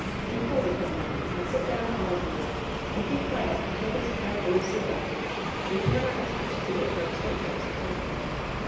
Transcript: "Keep hold of him, then. And sit down, all of you, and be quiet until this crowd leaves the deck. We can not attempt to get to our staterooms at present."